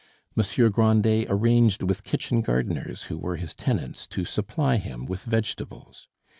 Monsieur Grandet arranged with kitchen gardeners who were his tenants to supply him with vegetables.